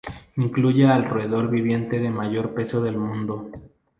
Incluye al roedor viviente de mayor peso del mundo.